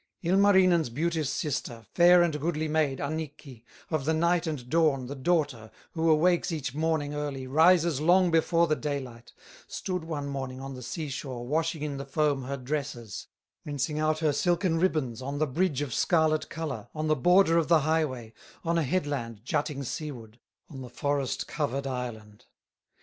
Ilmarinen's beauteous sister, Fair and goodly maid, Annikki, Of the Night and Dawn, the daughter, Who awakes each morning early, Rises long before the daylight, Stood one morning on the sea shore, Washing in the foam her dresses, Rinsing out her silken ribbons, On the bridge of scarlet color, On the border of the highway, On a headland jutting seaward, On the forest covered island.